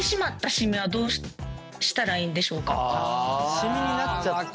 シミになっちゃった。